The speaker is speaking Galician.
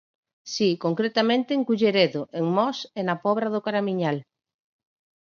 Si, concretamente en Culleredo, en Mos e na Pobra do Caramiñal.